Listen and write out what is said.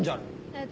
えっ？